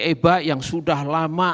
eba yang sudah lama